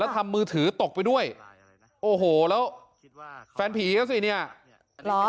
ทำมือถือตกไปด้วยโอ้โหแล้วแฟนผีก็สิเนี่ยเหรอ